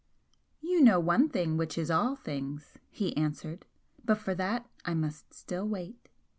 "You know one thing which is all things," he answered "But for that I must still wait."